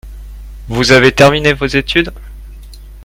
Vous avez terminé vos études ?